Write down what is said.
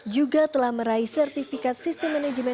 juga telah meraih sertifikat sistem manajemen